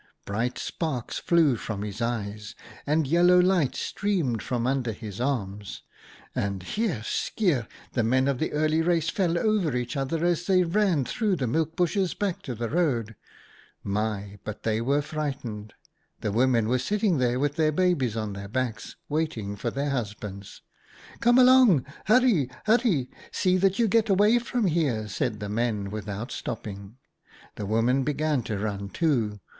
Bright sparks flew from his eyes, and yellow light streamed from under his arms, and — hierr, skierr — the Men of the Early Race fell over each other as they ran through the milk bushes back to the road. My ! but they were frightened ! 11 The women were sitting there with their babies on their backs, waiting for their husbands. HOW JACKAL GOT HIS STRIPE 81 "* Come along ! Hurry ! hurry ! See that you get away from here/ said the men, with out stopping. '■ The women began to run, too.